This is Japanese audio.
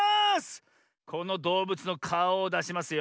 このどうぶつのかおをだしますよ。